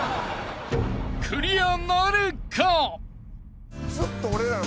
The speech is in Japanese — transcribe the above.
［クリアなるか！？］